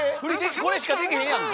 これしかでけへんやんか！